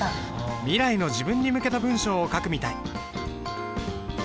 未来の自分に向けた文章を書くみたい。